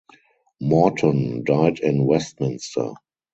Morton died in Westminster.